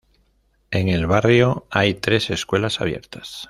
En el barrio hay tres escuelas abiertas.